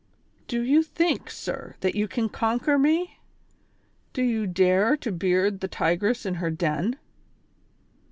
" Do you think, sir, that you can conquer mo ? Do you dare to beard the tigress in her den